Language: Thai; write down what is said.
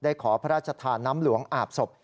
ขอพระราชทานน้ำหลวงอาบศพ